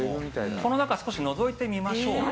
この中少しのぞいてみましょうか。